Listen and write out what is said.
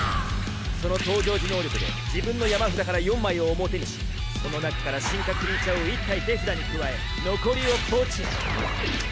その登場時能力で自分の山札から４枚を表にしその中から進化クリーチャーを１体手札に加え残りを墓地へ。